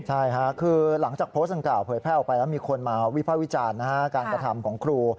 ใช่ค่ะคือหลังจากโพสต์ดังกล่าวเผยแพร่ออกไปแล้วมีคนมาวิภาควิจารณ์การกระทำของครู